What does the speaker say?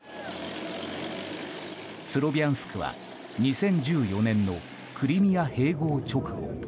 スロビャンスクは２０１４年のクリミア併合直後